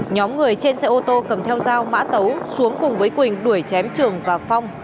nhóm người trên xe ô tô cầm theo dao mã tấu xuống cùng với quỳnh đuổi chém trường và phong